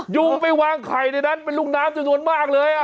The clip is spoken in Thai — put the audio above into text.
ยุงไปวางไข่ในนั้นเป็นลูกน้ำจำนวนมากเลย